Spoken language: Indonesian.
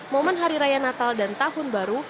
momen hari raya natal dan tahun baru